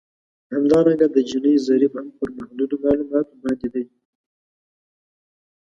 همدارنګه د جیني ضریب هم پر محدودو معلوماتو باندې دی